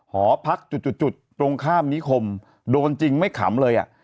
หอพักจุดตรงข้ามนิคมโดนจริงไม่ขำเลยอ่ะ